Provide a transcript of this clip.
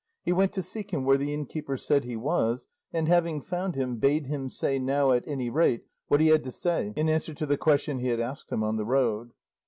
He went to seek him where the innkeeper said he was and having found him, bade him say now at any rate what he had to say in answer to the question he had asked him on the road.